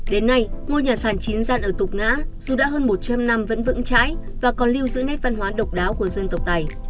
đến nay ngôi nhà sàn chín gian ở tục ngã dù đã hơn một trăm linh năm vẫn vững chãi và còn lưu giữ nét văn hóa độc đáo của dân tộc tài